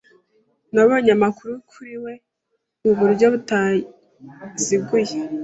Nabonye amakuru kuri we mu buryo butaziguye.